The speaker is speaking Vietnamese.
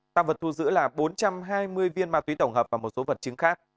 tăng vật thu giữ là bốn trăm hai mươi viên ma túy tổng hợp và một số vật chứng khác